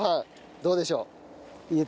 どうでしょう？